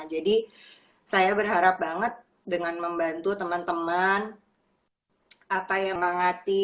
jadi saya berharap banget dengan membantu teman teman apa yang menghati